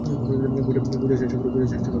বুঝার চেষ্টা করো।